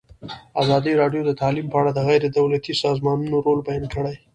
ازادي راډیو د تعلیم په اړه د غیر دولتي سازمانونو رول بیان کړی.